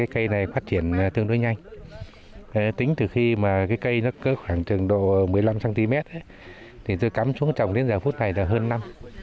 cây này phát triển tương đối nhanh tính từ khi cây cơ khoảng trường độ một mươi năm cm tôi cắm xuống trồng đến giờ phút này là hơn năm